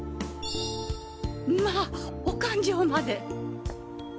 まあお勘定まで！